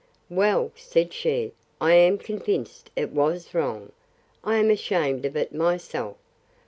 Well, said she, I am convinced it was wrong. I am ashamed of it myself.